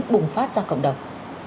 bùng phát ra cộng đồng